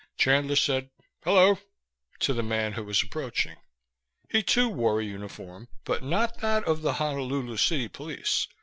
Chandler said, "Hello," to the man who was approaching. He too wore a uniform, but not that of the Honolulu city police.